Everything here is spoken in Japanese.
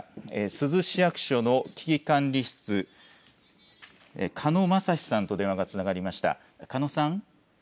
珠洲市役所の危機管理室、かのまさしさんと電話がつながりました。